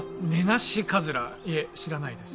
いえ知らないです。